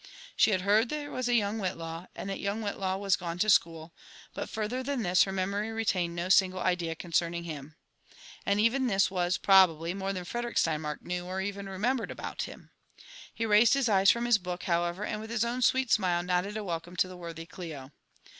She .had heard there was a young Whit law, and thai young Whiilaw was gone to school, but, further than this, her memory retained no single idea concerning him. And even this was, probably, more than Frederick Steinmark knew, or remembered about him. He raised his eyes from his book, however, and with his own sweet smile nodded a welcome to the worthy CUo.